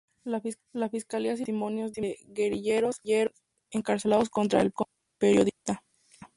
La fiscalía citó los testimonios de guerrilleros encarcelados contra el periodista.